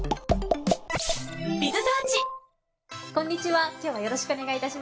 こんにちは今日はよろしくお願いいたします。